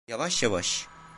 Yavaş yavaş.